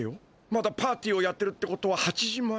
まだパーティーをやってるってことは８時前。